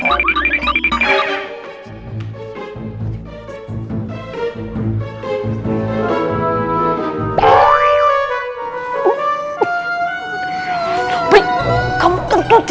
pak dek kamu tentu dia